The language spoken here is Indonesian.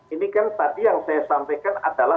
ini kan tadi yang saya sampaikan adalah